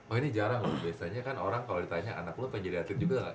oh ini jarang loh biasanya kan orang kalau ditanya anak lu pengen jadi atlet juga nggak